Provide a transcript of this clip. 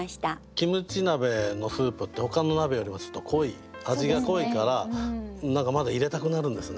キムチ鍋のスープってほかの鍋よりもちょっと濃い味が濃いから何かまだ入れたくなるんですね。